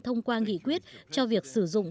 thông qua nghị quyết cho việc sử dụng